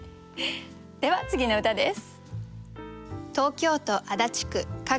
では次の歌です。